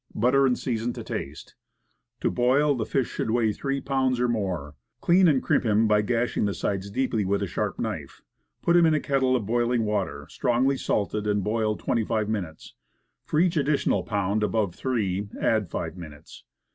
Butter and season to taste. To boil, the fish should weigh three pounds or more. Clean, and crimp him by gashing the sides deeply with a sharp knife. Put him in a kettle of boiling water strongly salted, and boil twenty five minutes. For each additional pound above three, add five minutes.